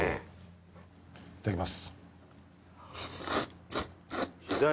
いただきます。